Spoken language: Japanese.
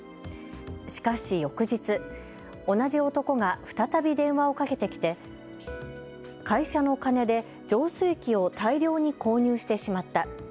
しかし翌日、同じ男が再び電話をかけてきて会社の金で浄水器を大量に購入してしまった。